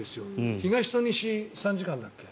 東と西、３時間だっけ。